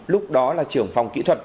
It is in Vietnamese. lúc đó là trưởng phòng kỹ thuật